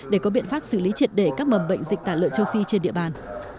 để có biện pháp xử lý triệt để các mầm bệnh dịch tả lợn châu phi trên địa bàn